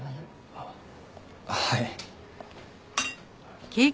ああはい。